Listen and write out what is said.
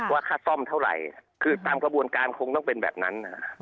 ว่าค่าซ่อมเท่าไหร่คือตามกระบวนการคงต้องเป็นแบบนั้น